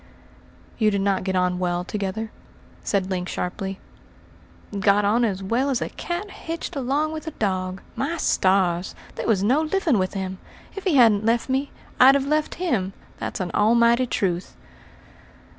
"You did not get on well together?" said Link sharply. "Got on as well as a cat hitched along with a dog. My stars! there was no living with him. If he hadn't left me, I'd have left him that's an almighty truth."